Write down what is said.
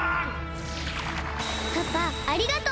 パパありがとう！